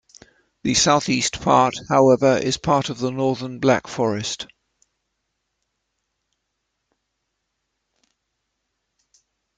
The south-east part, however, is part of the Northern Black Forest.